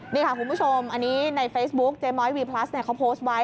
นี่ค่ะคุณผู้ชมอันนี้ในเฟซบุ๊คเจ๊ม้อยวีพลัสเนี่ยเขาโพสต์ไว้